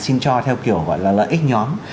xin cho theo kiểu gọi là lợi ích nhóm